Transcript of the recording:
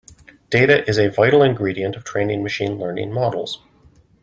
Data is a vital ingredient of training machine learning models.